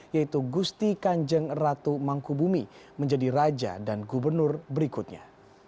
yaitu gusti kanjeng ratu mangkubumi menjadi raja dan gubernur berikutnya